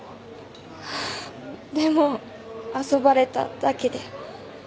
でも遊ばれただけで。